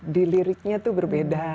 di liriknya itu berbeda